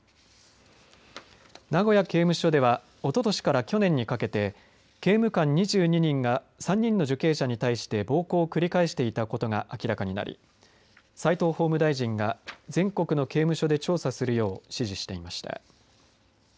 名古屋刑務所ではおととしから去年にかけて刑務官２２人が３人の受刑者に対して暴行を繰り返していたことが明らかになり齋藤法務大臣が全国の刑務所で調査するよう指示していました。